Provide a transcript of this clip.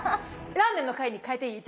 ラーメンの回に変えていい？